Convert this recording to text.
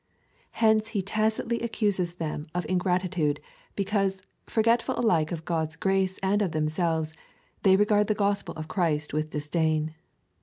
Hence he tacitly accuses tlieni of ingratitude, because, forgetful alike of God's grace and of themselves, they regard the gospel of Christ with disdain.